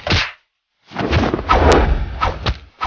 banyak bantuan bap histers ga